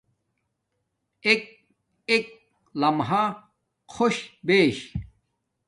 ایک ایک لمحہ خوش بیش